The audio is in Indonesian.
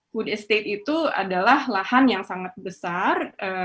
food estate itu adalah lahan yang sangat besar